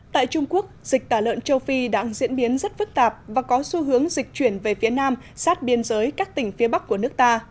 tại trung quốc dịch tả lợn châu phi đang diễn biến rất phức tạp và có xu hướng dịch chuyển về phía nam sát biên giới các tỉnh phía bắc của nước ta